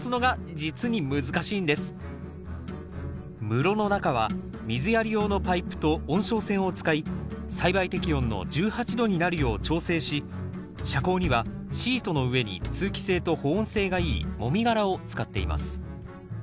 室の中は水やり用のパイプと温床線を使い栽培適温の１８℃になるよう調整し遮光にはシートの上に通気性と保温性がいいもみ殻を使っています